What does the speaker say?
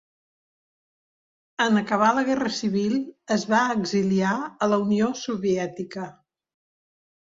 En acabar la guerra civil es va exiliar a la Unió Soviètica.